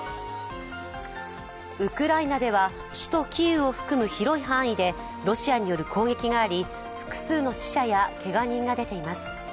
ウクライナでは、首都キーウを含む広い範囲でロシアによる攻撃があり複数の死者やけが人が出ています。